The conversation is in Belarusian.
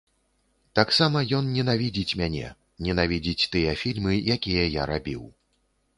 Таксама ён ненавідзіць мяне, ненавідзіць тыя фільмы, якія я рабіў.